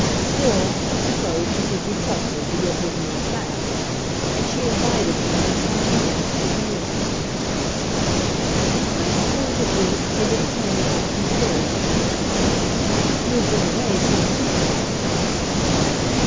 Still, she supposed he could be trusted to give her the mere facts; and she invited him with some eagerness to communicate them. "I suppose, at least, they didn't turn you out from the door;" she said. "You have been away some ten hours."